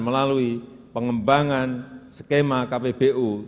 melalui pengembangan skema kpbu